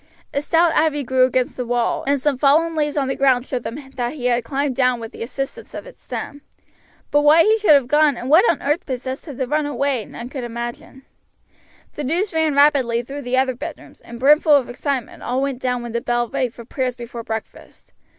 A stout ivy grew against the wall, and some fallen leaves on the ground showed them that he had climbed down with the assistance of its stem. But why he should have gone, and what on earth possessed him to run away, none could imagine. The news ran rapidly through the other bedrooms, and brimful of excitement all went down when the bell rang for prayers before breakfast.